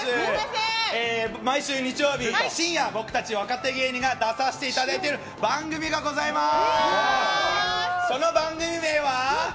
毎週日曜日深夜、僕たち若手芸人が出させていただいている番組がございます！